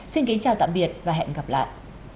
xin kính chào tạm biệt và hẹn gặp lại